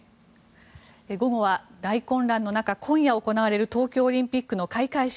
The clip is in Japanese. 午後は大混乱の中今夜行われる東京オリンピックの開会式。